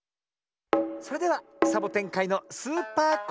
それではサボテンかいのスーパー